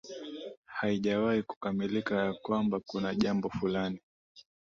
haijawahi kukamilika ya kwamba kuna jambo fulani